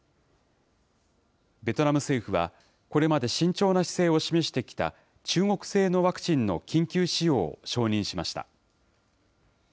ベトナム政府は、これまで慎重な姿勢を示してきた、中国製のワクチンの緊急使用を承認しました。